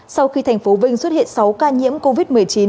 sau khi thành phố vinh xuất hiện sáu ca nhiễm covid một mươi chín